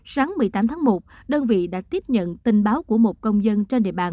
sáng một mươi tám tháng một đơn vị đã tiếp nhận tin báo của một công dân trên địa bàn